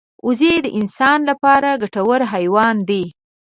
وزې د انسان لپاره ګټور حیوان دی